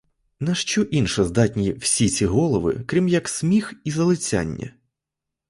На що інше здатні всі ці голови, крім як сміх і залицяння?